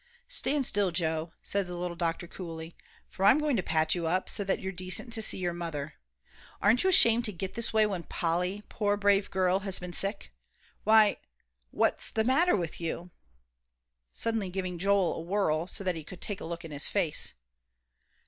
"Stand still, Joe," said the little doctor, coolly, "for I'm going to patch you up, so that you're decent to see your mother. Aren't you ashamed to get this way when Polly, poor brave girl, has been so sick? Why, what's the matter with you!" suddenly giving Joel a whirl, so that he could look in his face.